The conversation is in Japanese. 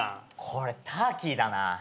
これターキーだな。